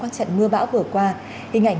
các trận mưa bão vừa qua hình ảnh